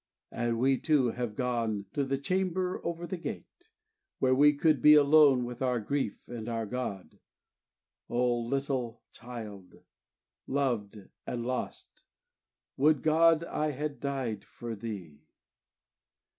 and we too have gone "to the chamber over the gate" where we could be alone with our grief and our God O little child, loved and lost, would God I had died for thee!